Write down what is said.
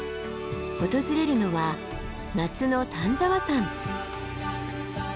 訪れるのは夏の丹沢山。